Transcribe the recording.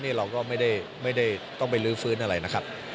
นี่เราก็ไม่ได้ต้องไปลื้อฟื้นอะไรนะครับ